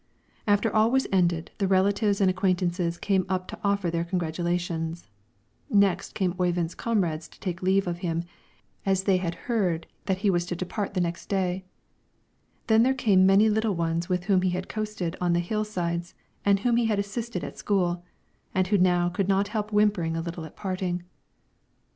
After all was ended the relatives and acquaintances came up to offer their congratulations; next came Oyvind's comrades to take leave of him, as they had heard that he was to depart the next day; then there came many little ones with whom he had coasted on the hill sides and whom he had assisted at school, and who now could not help whimpering a little at parting.